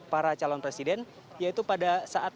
para calon presiden yaitu pada saat